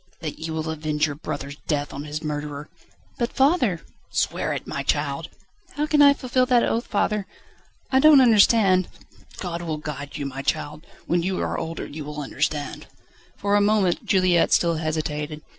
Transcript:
"That you will avenge your brother's death on his murderer?" "But, father ..." "Swear it, my child!" "How can I fulfil that oath, father? I don't understand ..." "God will guide you, my child. When you are older you will understand." For a moment Juliette still hesitated.